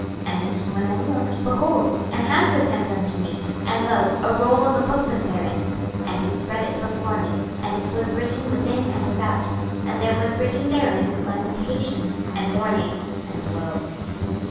26:002:009 And when I looked, behold, an hand was sent unto me; and, lo, a roll of a book was therein; 26:002:010 And he spread it before me; and it was written within and without: and there was written therein lamentations, and mourning, and woe.